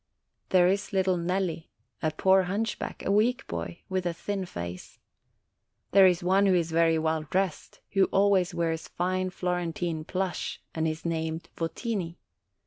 There is little Nelli, a poor hunchback, a weak boy, with a thin face. There is one who is very well dressed, who always wears fine Flor entine plush, and is named Votini.